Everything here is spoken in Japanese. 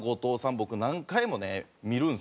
僕何回もね見るんですよ。